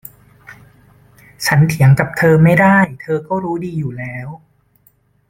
ฉันเถียงกับเธอไม่ได้ เธอก็รู้ดีอยู่แล้ว